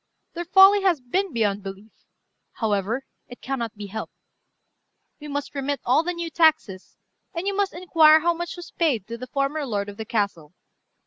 Their folly has been beyond belief; however, it cannot be helped. We must remit all the new taxes, and you must inquire how much was paid to the former lord of the castle.